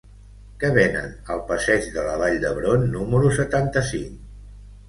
Què venen al passeig de la Vall d'Hebron número setanta-cinc?